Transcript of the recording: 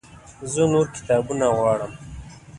زه نور کتابونه غواړم